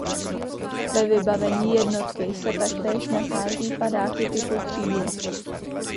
Ve vybavení jednotky se taktéž nachází padáky typu křídlo.